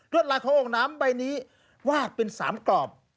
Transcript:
รวดลายขององค์น้ำใบนี้วาดเป็น๓กรอบ